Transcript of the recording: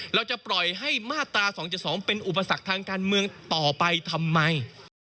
เราจะปล่อยให้มาตรา๒๗๒เป็นอุปสรรคทางการเมืองต่อไปทำไม